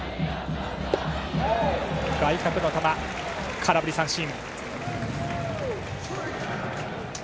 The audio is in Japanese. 外角の球を空振り三振。